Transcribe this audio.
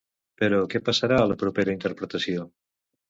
Però què passarà a la propera interpretació?